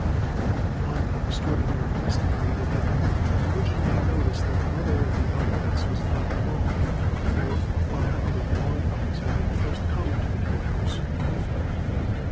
Beyond the extraordinary nesting date, it had been originally noticed that the mother of the owlets was not alone, four or five other barn owls having first come to the court house with her.